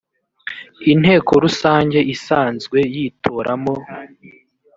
inteko rusange isanzwe yitoramo